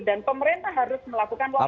dan pemerintah harus melakukan law enforcement